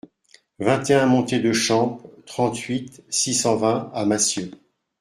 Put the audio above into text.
vingt et un montée de Champe, trente-huit, six cent vingt à Massieu